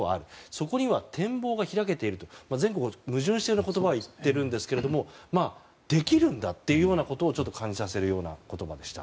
そこには展望が開けていると矛盾したようなことを言っているんですけどもできるんだということを感じさせるような言葉でした。